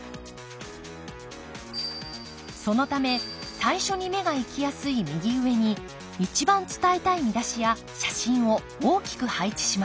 そのため最初に目がいきやすい右上に一番伝えたい見出しや写真を大きく配置します。